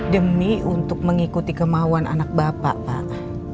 demi untuk mengikuti kemauan anak bapak pak